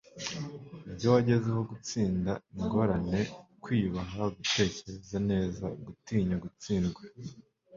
ibyo wagezeho gutsinda ingorane kwiyubaha gutekereza neza gutinya gutsindwa